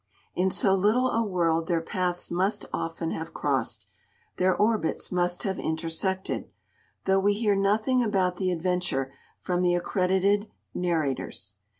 In so little a world their paths must often have crossed, their orbits must have intersected, though we hear nothing about the adventure from the accredited narrators.